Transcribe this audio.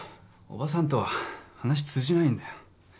伯母さんとは話通じないんだよ。